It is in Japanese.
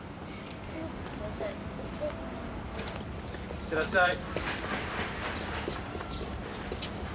いってらっしゃい！